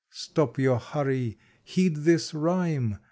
Stop your hurry! Heed this rhyme!